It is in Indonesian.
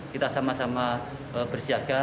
kita sama sama bersiaga